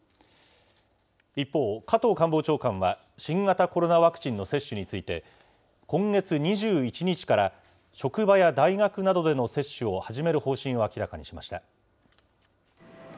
一方、加藤官房長官は、新型コロナワクチンの接種について、今月２１日から、職場や大学などでの接種を始める方針を明らかにしました。